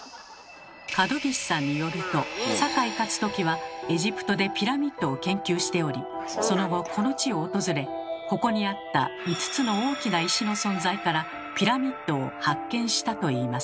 角岸さんによると酒井勝軍はエジプトでピラミッドを研究しておりその後この地を訪れここにあった５つの大きな石の存在からピラミッドを発見したといいます。